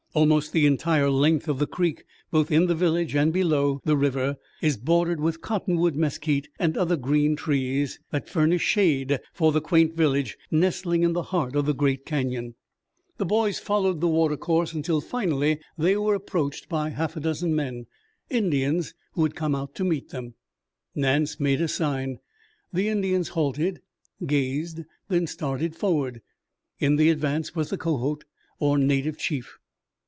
Almost the entire length of the creek, both in the village and below, the river is bordered with cottonwood, mesquite and other green trees, that furnish shade for the quaint village nestling in the heart of the great Canyon. The boys followed the water course until finally they were approached by half a dozen men indians who had come out to meet them. Nance made a sign. The Indians halted, gazed, then started forward. In the advance was the Kohot or native chief.